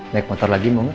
naik motor lagi mau gak